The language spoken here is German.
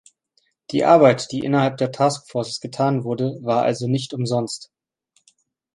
Die Arbeit, die innerhalb der Task Forces getan wurde, war also nicht umsonst.